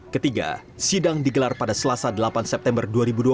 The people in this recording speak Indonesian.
ketiga sidang digelar pada selasa delapan september dua ribu dua puluh